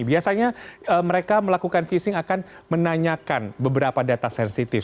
biasanya mereka melakukan phishing akan menanyakan beberapa data sensitif